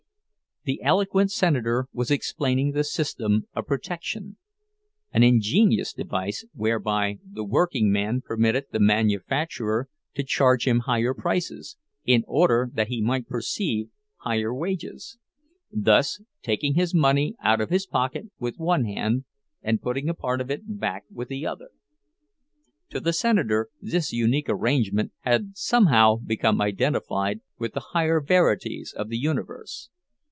The eloquent senator was explaining the system of protection; an ingenious device whereby the workingman permitted the manufacturer to charge him higher prices, in order that he might receive higher wages; thus taking his money out of his pocket with one hand, and putting a part of it back with the other. To the senator this unique arrangement had somehow become identified with the higher verities of the universe.